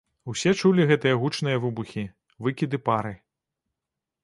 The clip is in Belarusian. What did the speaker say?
Усе чулі гэтыя гучныя выбухі, выкіды пары.